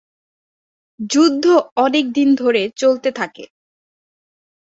যুদ্ধ অনেক দিন ধরে চলতে থাকে।